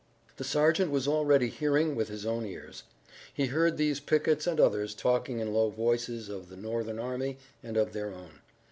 The sergeant was already hearing with his own ears. He heard these pickets and others talking in low voices of the Northern army and of their own.